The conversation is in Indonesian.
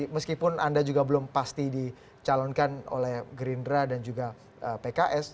meskipun anda juga belum pasti dicalonkan oleh gerindra dan juga pks